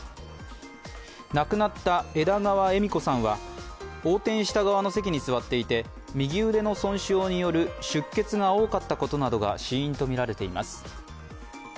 亡くなった枝川恵美子さんは横転した側の席に座っていて右腕の損傷による出血が多かったことなどが死因とみられています。